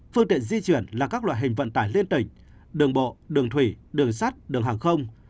phương tiện di chuyển là các loại hình vận tải liên tỉnh đường bộ đường thủy đường sắt đường hàng không